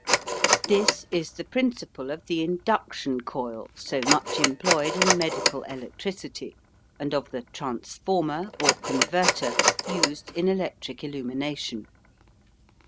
This is the principle of the "induction coil" so much employed in medical electricity, and of the "transformer" or "converter" used in electric illumination.